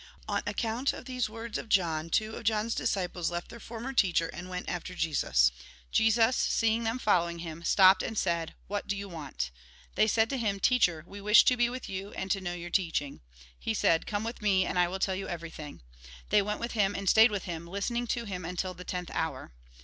On account of these words of John, two of John's disciples left their former teacher and went after Jesus. Jesus, seeing them following him, stopped and said :" What do you want ?" They said to him :" Teacher ! we wish to be with you, and to know your teaching." He said :" Come with me, and I will tell you everything." They went with him, and stayed with him, listening to him until the tenth hour.